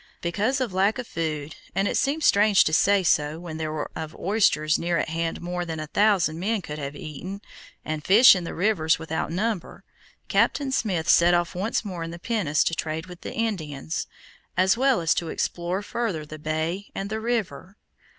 Because of lack of food, and it seems strange to say so when there were of oysters near at hand more than a thousand men could have eaten, and fish in the rivers without number, Captain Smith set off once more in the pinnace to trade with the Indians, as well as to explore further the bay and the river.